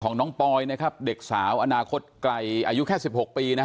ของน้องปอยนะครับเด็กสาวอนาคตไกลอายุแค่สิบหกปีนะฮะ